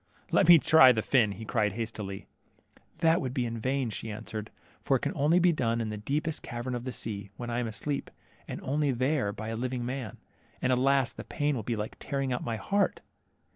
Let me try the fin," cried he hastily. That would be in vain," she answered, for it can only be done in the deepest cavern of the sea, when I am asleep, and only there by a living man ; and, alas, the pain will be like tearing out my heart."